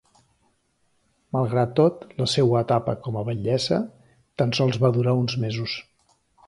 Malgrat tot, la seua etapa com a batllessa tan sols va durar uns mesos.